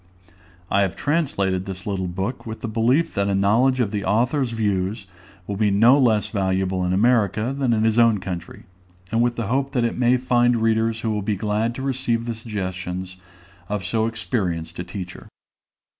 I have translated this little book, with the belief that a knowledge of the author's views will be no less valuable in America than in his own country; and with the hope that it may find readers who will be glad to receive the suggestions of so experienced a teacher.